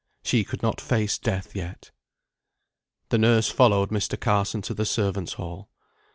She could not face death yet. The nurse followed Mr. Carson to the servants' hall.